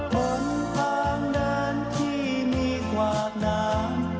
บนทางเดินที่มีกวาดน้ำ